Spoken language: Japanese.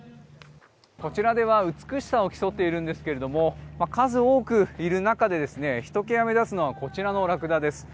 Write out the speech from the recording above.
こちらでは美しさを競っているんですけれども数多くいる中でひと際目立つのはこちらのラクダです。